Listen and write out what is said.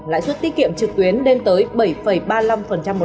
lãi suất tiết kiệm trực tuyến lên tới bảy ba mươi năm một